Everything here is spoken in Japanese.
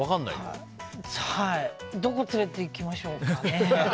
どこ連れていきましょうかね。